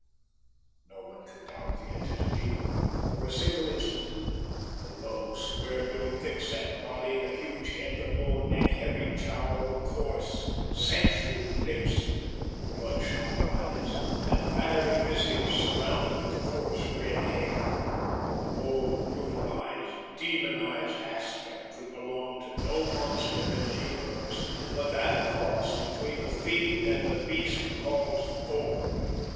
No one could doubt the identity for a single instant. The low, square built, thick set body, the huge head, the bull neck, heavy jowl, coarse, sensual lips, bloodshot eyes, and fiery visage surrounded with coarse red hair the whole brutalized, demonized aspect could belong to no monster in the universe but that cross between the fiend and the beast called Thorg!